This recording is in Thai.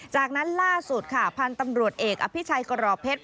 จากนั้นล่าสุดค่ะพันธุ์ตำรวจเอกอภิชัยกรอบเพชร